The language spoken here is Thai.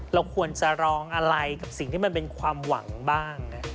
เราควรจะร้องอะไรกับสิ่งที่มันเป็นความหวังบ้าง